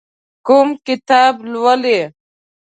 کوم کتاب لولئ؟